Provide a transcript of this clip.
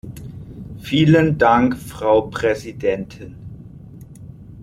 Vielen Dank Frau Präsidentin!